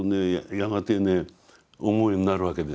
やがてね思うようになるわけですよ。